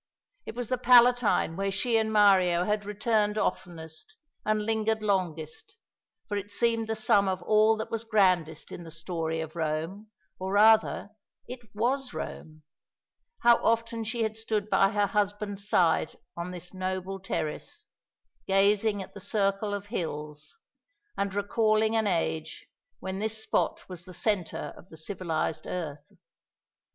It was the Palatine where she and Mario had returned oftenest and lingered longest, for it seemed the sum of all that was grandest in the story of Rome, or, rather, it was Rome. How often she had stood by her husband's side on this noble terrace, gazing at the circle of hills, and recalling an age when this spot was the centre of the civilised earth!